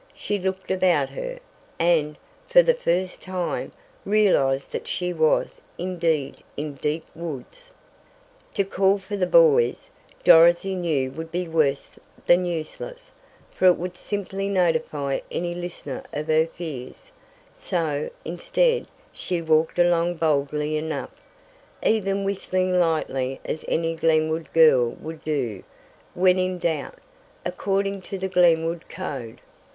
She looked about her, and, for the first time, realized that she was, indeed, in deep woods. To call for the boys, Dorothy knew would be worse than useless, for it would simply notify any listener of her fears, so, instead, she walked along boldly enough, even whistling lightly as any Glenwood girl would do "when in doubt," according to the Glenwood code.